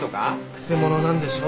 くせ者なんでしょ？